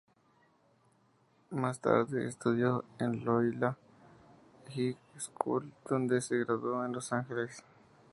Más tarde estudió en Loyola High School donde se graduó, en Los Ángeles.